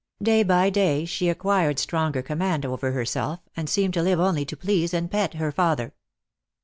Day by day she acquired stronger command over herself, and seemed to live only to please and pet her father.